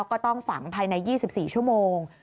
ก็ต้องฝังภายใน๒๔ชั่วโมง